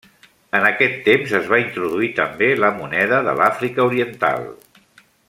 En aquest temps es va introduir també la moneda de l'Àfrica Oriental.